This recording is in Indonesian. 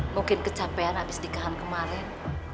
mungkin kecapean habis nikahan kemarin